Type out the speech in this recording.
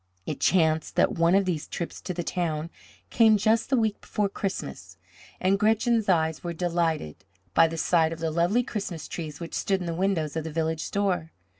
It chanced that one of these trips to the town came just the week before Christmas, and Gretchen's eyes were delighted by the sight of the lovely Christmas trees which stood in the window of the village store.